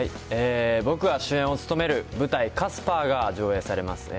僕が主演を務める舞台、カスパーが上映されます。